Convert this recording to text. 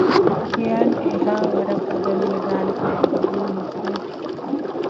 ކިޔާން އެހާވަަރަށް ބަދަލުވެދާނެ ކަމަށް ޤަބޫލުނުކުރެވިފަ